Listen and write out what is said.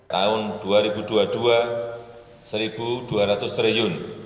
tahun dua ribu dua puluh dua rp satu dua ratus triliun